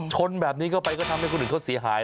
ชนแบบนี้ก็ไปก็ทำให้คุณหนึ่งทดเสียหาย